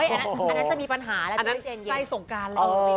อันนั้นจะมีปัญหาแล้วในใจสงการแล้ว